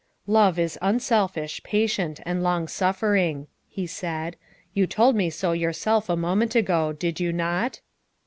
" Love is unselfish, patient, and long suffering, " he said; " you told me so yourself a moment ago, did you not?"